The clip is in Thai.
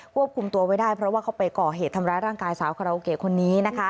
วบคุมตัวไว้ได้เพราะว่าเขาไปก่อเหตุทำร้ายร่างกายสาวคาราโอเกะคนนี้นะคะ